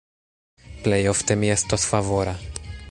Plejofte mi estos favora.